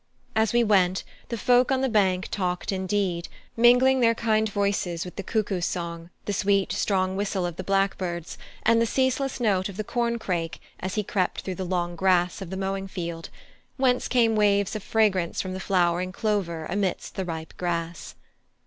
As we went, the folk on the bank talked indeed, mingling their kind voices with the cuckoo's song, the sweet strong whistle of the blackbirds, and the ceaseless note of the corn crake as he crept through the long grass of the mowing field; whence came waves of fragrance from the flowering clover amidst of the ripe grass.